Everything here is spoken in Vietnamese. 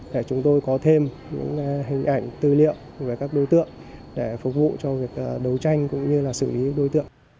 để chúng tôi có thêm những hình ảnh tư liệu về các đối tượng để phục vụ cho việc đấu tranh cũng như là xử lý đối tượng